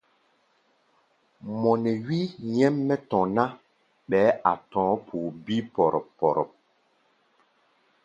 Mɔ nɛ wí nyɛ́m mɛ́ tɔ̧ ná, ɓɛɛ́ a̧ tɔ̧ɔ̧́ poo bíí póróp-póróp.